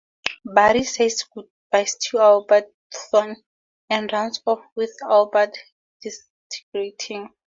Barry says goodbye to Eobard Thawne and runs off with Eobard disintegrating.